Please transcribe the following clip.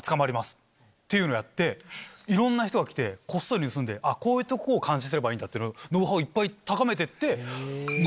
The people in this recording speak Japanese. っていうのやっていろんな人が来てこっそり盗んでこういうとこを監視すればいいんだってノウハウをいっぱい高めてって。